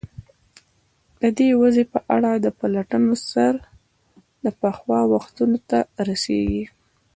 د دې وضع په اړه د پلټنو سر د پخوا وختونو ته رسېږي.